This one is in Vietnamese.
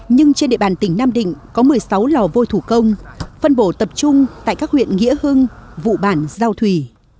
nhưng trên địa bàn tỉnh nam định có một mươi sáu lò vôi thủ công phân bổ tập trung tại các huyện nghĩa hưng vụ bản giao thủy